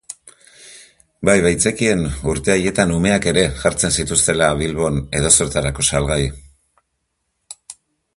Bai baitzekien urte haietan umeak ere jartzen zituztela Bilbon edozertarako salgai...